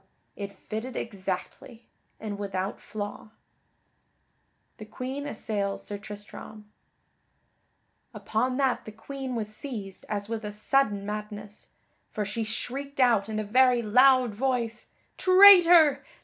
it fitted exactly, and without flaw. [Sidenote: The Queen assails Sir Tristram] Upon that the Queen was seized as with a sudden madness; for she shrieked out in a very loud voice, "Traitor!